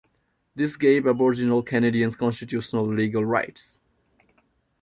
This gave aboriginal Canadians constitutional legal rights.